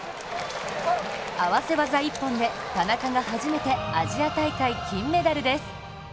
合わせ技一本で、田中が初めてアジア大会金メダルです。